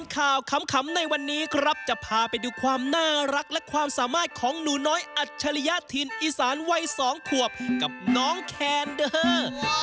ขำในวันนี้ครับจะพาไปดูความน่ารักและความสามารถของหนูน้อยอัจฉริยถิ่นอีสานวัย๒ขวบกับน้องแคนเดอร์